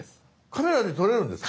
カメラで撮れるんですか？